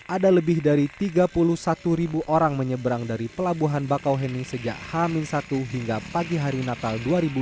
ada lebih dari tiga puluh satu ribu orang menyeberang dari pelabuhan bakauheni sejak h satu hingga pagi hari natal dua ribu dua puluh